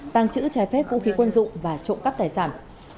tăng trữ trái phép vũ khí quân dụng và trộm cắp tài sản